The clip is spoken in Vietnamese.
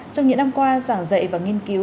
trong những năm qua giảng dạy và nghiên cứu